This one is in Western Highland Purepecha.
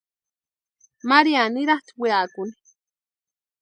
María nirhatʼi weakuni.